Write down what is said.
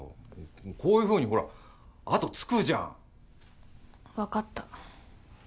こういうふうにほら跡つくじゃん分かった